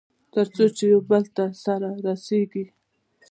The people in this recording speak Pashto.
تر څو چې يوبل ته سره رسېږي.